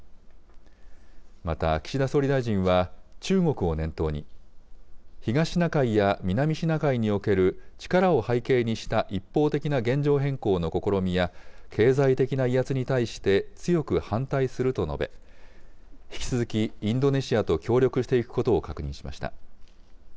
また岸田総理大臣は、中国を念頭に、東シナ海や南シナ海における力を背景にした一方的な現状変更の試みや、経済的な威圧に対して強く反対すると述べ、引き続き、インドネシアと協力していくことを確認しました。